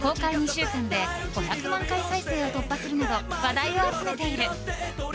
２週間で５００万回再生を突破するなど話題を集めている。